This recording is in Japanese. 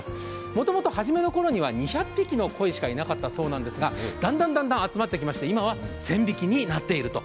もともと始めのころには２００匹のこいしかいなかったんですが、だんだん集まってきまして今は１０００匹になっていると。